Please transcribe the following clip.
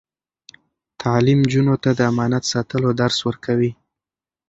تعلیم نجونو ته د امانت ساتلو درس ورکوي.